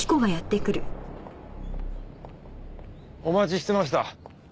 お待ちしてました。